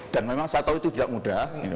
dan memang saya tahu itu tidak mudah